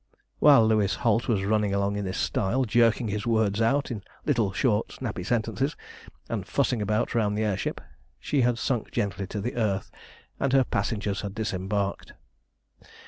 While Louis Holt was running along in this style, jerking his words out in little short snappy sentences, and fussing about round the air ship, she had sunk gently to the earth, and her passengers had disembarked.